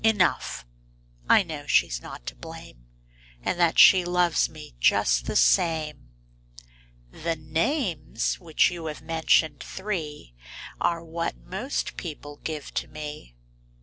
Enough, I know she's not to blame. And that she loves me just the same." Copyrighted, 1897 I HE names which you have mentioned, three, what most people give to me."